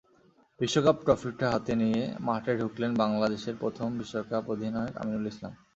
বিশ্বকাপ ট্রফিটা হাতে নিয়ে মাঠে ঢুকলেন বাংলাদেশের প্রথম বিশ্বকাপ অধিনায়ক আমিনুল ইসলাম।